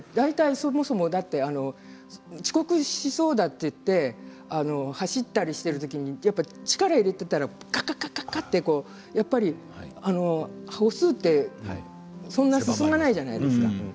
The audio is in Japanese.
そもそも遅刻しそうだと言って走ったりしている時に力を入れていたらかっかっかっかと歩数って、そんな進まないじゃないですか。